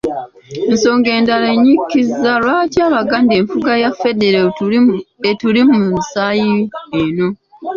Ensonga endala ennyikiza lwaki Abaganda enfuga ya Federo etuli mu musaayi y'eno.